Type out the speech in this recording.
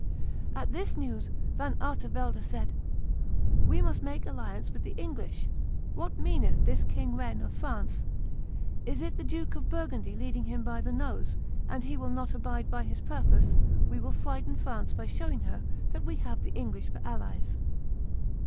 At this news Van Artevelde said, "We must make alliance with the English; what meaneth this King Wren of France? It is the Duke of Burgundy leading him by the nose, and he will not abide by his purpose; we will frighten France by showing her that we have the English for allies."